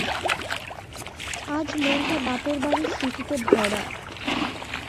আজ মনটা বাপের বাড়ির স্মৃতিতে ভরা।